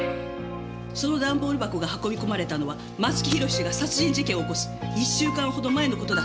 その段ボール箱が運び込まれたのは松木弘が殺人事件を起こす１週間ほど前のことだったそうです。